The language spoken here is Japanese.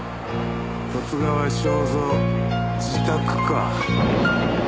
十津川省三自宅」か。